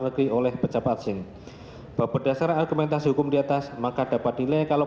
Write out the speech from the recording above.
negeri oleh pecah parsing bahwa berdasarkan argumentasi hukum diatas maka dapat nilai kalau